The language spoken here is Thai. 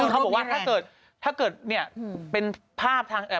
เขาบอกว่าถ้าเกิดเป็นภาพทาง